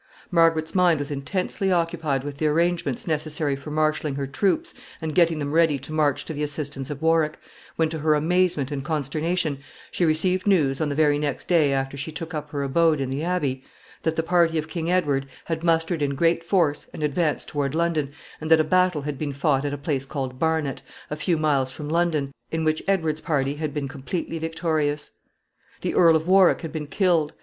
Margaret's mind was intensely occupied with the arrangements necessary for marshaling her troops and getting them ready to march to the assistance of Warwick, when, to her amazement and consternation, she received news, on the very next day after she took up her abode in the abbey, that the party of King Edward had mustered in great force and advanced toward London, and that a battle had been fought at a place called Barnet, a few miles from London, in which Edward's party had been completely victorious. [Sidenote: Warwick killed.] The Earl of Warwick had been killed.